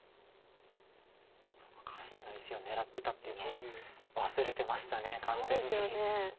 そうか下辺の石を狙ってたっていうのは忘れてました完全に。